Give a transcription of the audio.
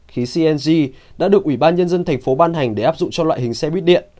khí cng đã được ủy ban nhân dân thành phố ban hành để áp dụng cho loại hình xe buýt điện